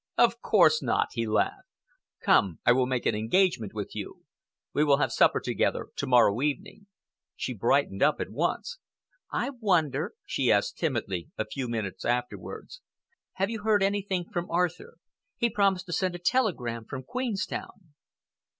"Of course not," he laughed. "Come, I will make an engagement with you. We will have supper together to morrow evening." She brightened up at once. "I wonder," she asked timidly, a few minutes afterwards, "have you heard anything from Arthur? He promised to send a telegram from Queenstown."